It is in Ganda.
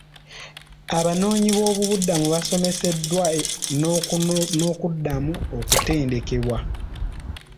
Abanoonyiboobubudamu basomeseddwa n'okuddamu okutendekebwa.